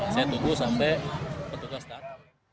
saya tunggu sampai petugas datang